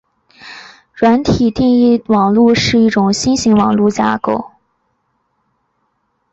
软体定义网路是一种新型网络架构。